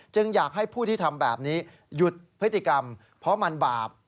อยากให้ผู้ที่ทำแบบนี้หยุดพฤติกรรมเพราะมันบาป